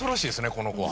この子は。